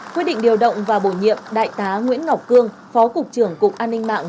quyết định điều động và bổ nhiệm đại tá nguyễn ngọc cương phó cục trưởng cục an ninh mạng